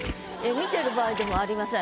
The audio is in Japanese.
見てる場合でもありません。